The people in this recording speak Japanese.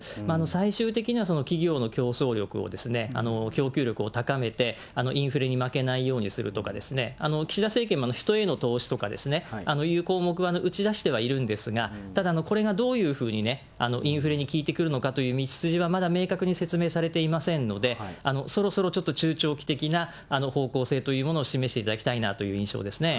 最終的には、企業の競争力を、供給力を高めて、インフレに負けないようにするとかですね、岸田政権も人への投資とかいう項目を打ち出してはいるんですが、ただこれがどういうふうにインフレに効いてくるのかという道筋はまだ明確に説明されていませんので、そろそろちょっと中長期的な方向性というものを示していただきたいなという印象ですね。